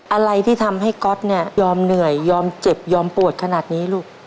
อะไรที่ทำให้ก๊อตเนี่ยยอมเหนื่อยยอมเจ็บยอมปวดขนาดนี้ลูก